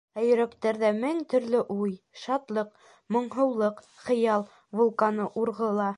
Ә йөрәктәрҙә мең төрлө уй, шатлыҡ, моңһоулыҡ, хыял вулканы урғыла.